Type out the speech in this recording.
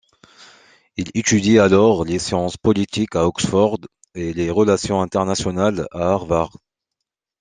Il étudie alors les sciences politiques à Oxford et les relations internationales à Harvard.